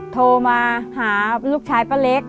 โทรมาหาลูกชายป้าเล็ก